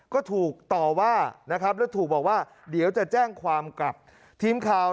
ก็ถูกต่อว่านะครับแล้วถูกบอกว่าเดี๋ยวจะแจ้งความกับทีมข่าว